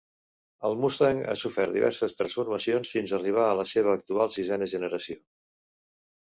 El Mustang ha sofert diverses transformacions fins a arribar a la seva actual sisena generació.